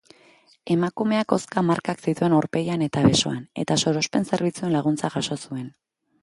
Emakumeak hozka markak zituen aurpegian eta besoan eta sorospen zerbitzuen laguntza jaso zuen.